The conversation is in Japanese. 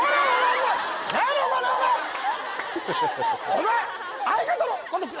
お前！